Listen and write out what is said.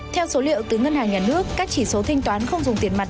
theo số liệu từ ngân hàng nhà nước các chỉ số thanh toán không dùng tiền mặt